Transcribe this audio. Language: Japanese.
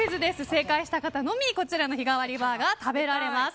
正解した方のみこちらの日替わりバーガーを食べられます。